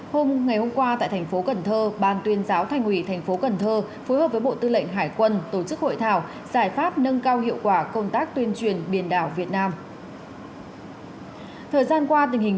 hôm ngày hôm qua tại thành phố cần thơ ban tuyên giáo thành ủy thành phố cần thơ phối hợp với bộ tư lệnh hải quân tổ chức hội thảo giải pháp nâng cao hiệu quả công tác tuyên truyền biển đảo việt nam